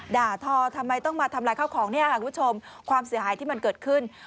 ด่าทอทำไมต้องมาทำอะไรทำร้ายเข้าของเนี่ยคุณประชอบความเสียหายที่มันเกิดขึ้น